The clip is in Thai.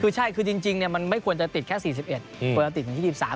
คือใช่จริงมันไม่ควรจะติดแค่๔๑คนแล้วติดถึง๒๓